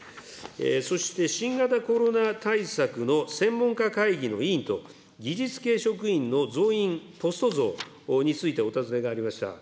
そして、新型コロナ対策の専門家会議の委員と技術系職員の増員、ポスト増について、お尋ねがありました。